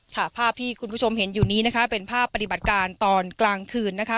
ภาพที่คุณผู้ชมเห็นอยู่นี้นะคะเป็นภาพปฏิบัติการตอนกลางคืนนะคะ